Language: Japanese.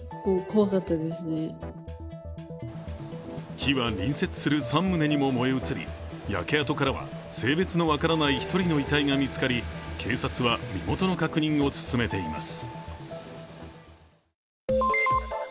火は隣接する３棟にも燃え移り焼け跡からは性別の分からない１人の遺体が見つかり警察は身元の確認を進めています。